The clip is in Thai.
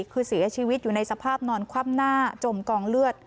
คือเสียชีวิตอยู่ในสภาพนอนคว่ำหน้าจมกองเลือด